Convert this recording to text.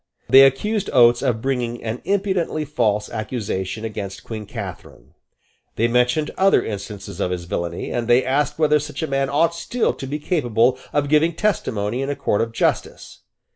They accused Oates of bringing an impudently false accusation against Queen Catherine: they mentioned other instances of his villany; and they asked whether such a man ought still to be capable of giving testimony in a court of justice.